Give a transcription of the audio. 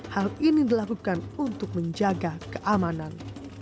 hal ini dilakukan untuk menjaga keamanan